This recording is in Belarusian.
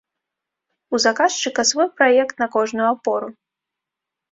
У заказчыка свой праект на кожную апору.